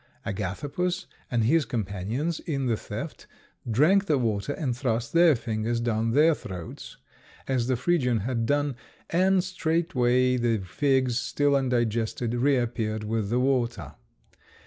Agathopus and his companions in the theft drank the water and thrust their fingers down their throats, as the Phrygian had done, and straightway the figs, still undigested, re appeared with the water.